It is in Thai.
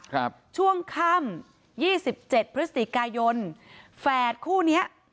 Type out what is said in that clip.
ครับช่วงค่ำยี่สิบเจ็ดพฤศจิกายนแฝดคู่เนี้ย